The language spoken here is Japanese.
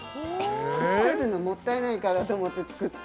捨てるのもったいないからと思って作った。